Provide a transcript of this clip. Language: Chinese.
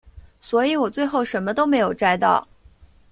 所以我最后什么都没有摘到